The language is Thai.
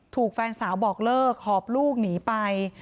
แฟนสาวบอกเลิกหอบลูกหนีไป